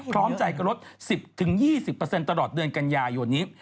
พร้อมใจก็ลด๑๐๒๐ตลอดเดือนกันยายนนี้